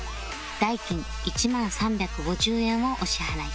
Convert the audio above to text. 代金１万３５０円をお支払い